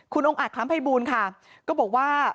คุณองค์อาจคล้ำภัยบูลค่ะก็บอกว่า